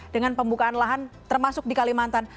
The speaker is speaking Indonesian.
dengan pembukaan lahan termasuk di kalimantan